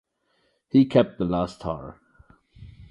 He kept the last tar.